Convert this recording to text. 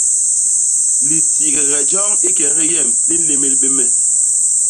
Litiigege joñ i kegi yem li nlémél bé me.